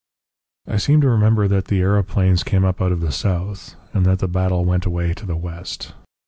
"I seem to remember that the aeroplanes came up out of the south, and that the battle went away to the west.